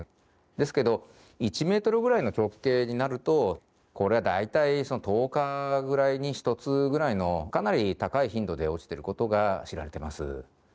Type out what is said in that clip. ですけど１ｍぐらいの直径になるとこれは大体１０日ぐらいに１つぐらいのかなり高い頻度で落ちてることが知られてます。